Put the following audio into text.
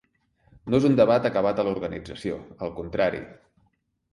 No és un debat acabat a l’organització, al contrari.